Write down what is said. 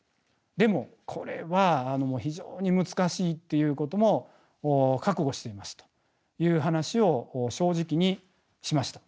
でもこれは非常に難しいっていうことも覚悟していますという話を正直にしました。